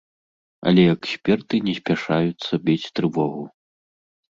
Але эксперты не спяшаюцца біць трывогу.